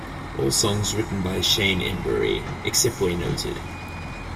All songs written by Shane Embury, except where noted.